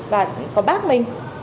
và có bác mình